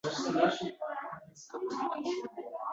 Sherlar nimani xush koʻrishini o’rganadi.